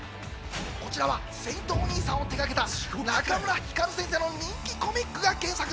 こちらは『聖☆おにいさん』を手がけた中村光先生の人気コミックが原作。